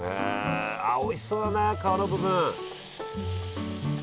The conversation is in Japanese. あおいしそうだな皮の部分！